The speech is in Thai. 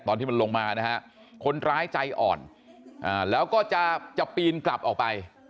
ตอนที่มันลงมานะฮะคนร้ายใจอ่อนแล้วก็จะปีนกลับออกไป